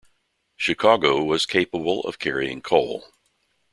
"Chicago" was capable of carrying of coal.